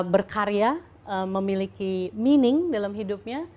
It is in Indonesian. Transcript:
berkarya memiliki meaning dalam hidupnya